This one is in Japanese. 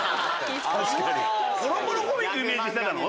『コロコロコミック』イメージしてたの？